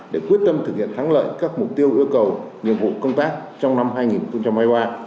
để quyết tâm thực hiện thắng lợi các mục tiêu yêu cầu nhiệm vụ công tác trong năm hai nghìn hai mươi ba